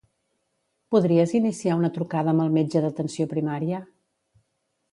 Podries iniciar una trucada amb el metge d'atenció primària?